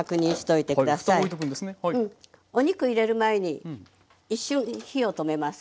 お肉入れる前に一瞬火を止めます。